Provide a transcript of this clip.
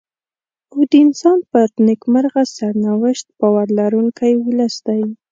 او د انسان پر نېکمرغه سرنوشت باور لرونکی ولس دی.